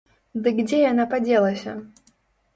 Дык дзе яна падзелася?